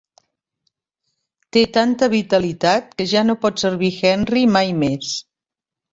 Té tanta vitalitat que ja no pot servir Henry mai més.